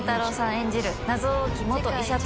演じる謎多き元医者と